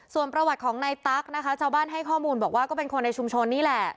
ส่วนประวัติของนายตั๊กนะคะชาวบ้านให้ข้อมูลบอกว่าก็เป็นคนในชุมชนนี่แหละ